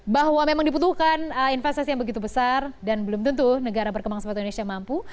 bahwa memang dibutuhkan investasi yang begitu besar dan belum tentu negara berkembang seperti indonesia mampu